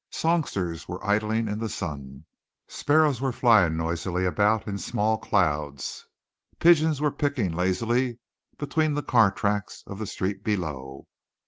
Songsters were idling in the sun. Sparrows were flying noisily about in small clouds. Pigeons were picking lazily between the car tracks of the street below.